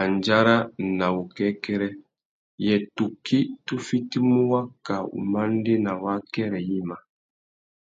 Andjara na wukêkêrê : yê tukí tu fitimú waka wumandēna wa akêrê yïmá ?